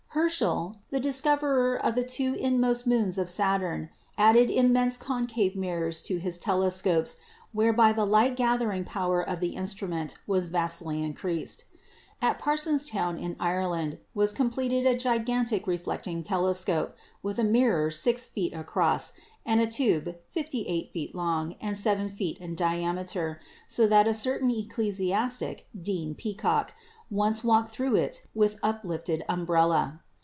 Herschel, the discoverer of the two inmost moons of Saturn, added immense concave mirrors 92 PHYSICS to his telescopes whereby the light gathering power of the instrument was vastly increased. At Parsonstown in Ire land was completed a gigantic reflecting telescope with a mirror 6 feet across and a tube 58 feet long and 7 feet in diameter, so that a certain ecclesiastic, Dean Peacock, once walked through it with uplifted umbrella.